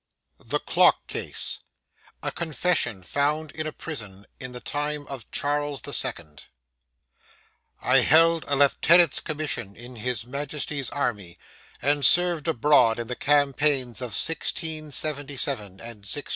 THE CLOCK CASE A CONFESSION FOUND IN A PRISON IN THE TIME OF CHARLES THE SECOND I held a lieutenant's commission in his Majesty's army, and served abroad in the campaigns of 1677 and 1678.